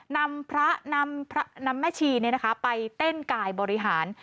นำพระนำแม่ชีไปเต้นกายบริหาร